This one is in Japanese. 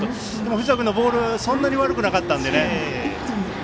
藤田君のボールはそんなに悪くなかったのでね。